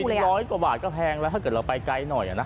วินราคา๑๐๐กว่าบาทก็แพงแล้วถ้าเกิดเราไปไกลหน่อย